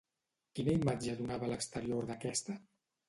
Quina imatge donava l'exterior d'aquesta?